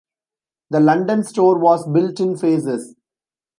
The London store was built in phases.